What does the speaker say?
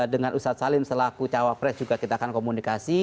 dengan ustadz salim selaku cawapres juga kita akan komunikasi